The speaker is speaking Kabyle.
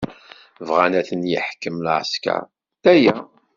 Bɣan ad ten-yeḥkem lɛesker, d aya.